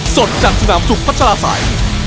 สดจัดสนามจุภัชราสาย